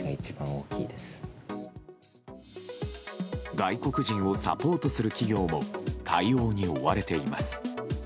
外国人をサポートする企業も対応に追われています。